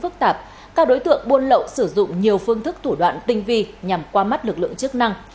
phức tạp các đối tượng buôn lậu sử dụng nhiều phương thức thủ đoạn tinh vi nhằm qua mắt lực lượng chức năng